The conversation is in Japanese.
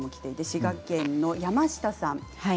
千葉県の方からです。